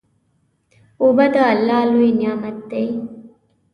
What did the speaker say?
اوبه د الله لوی نعمت دی.